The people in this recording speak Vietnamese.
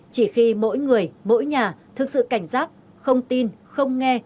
chỉ khi mỗi người mỗi nhà thực sự cảnh giác không tin không nghe